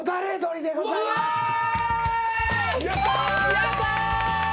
やったー！